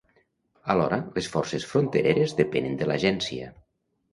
Alhora, les forces frontereres depenen de l'agència.